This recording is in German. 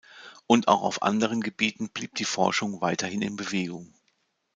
Und auch auf anderen Gebieten blieb die Forschung weiterhin in Bewegung.